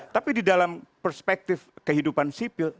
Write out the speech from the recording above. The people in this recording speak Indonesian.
tapi di dalam perspektif kehidupan sipil